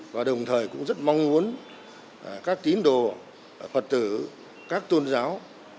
và đồng thời cũng rất mong muốn các tín đồ phật tử các tôn giáo